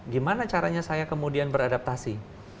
gimana caranya saya kemudian beradaptasi